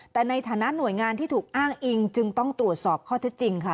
แต่ในฐานะหน่วยงานที่ถูกอ้างอิงจึงต้องตรวจสอบข้อเท็จจริงค่ะ